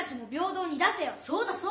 そうだそうだ。